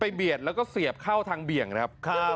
เบียดแล้วก็เสียบเข้าทางเบี่ยงนะครับ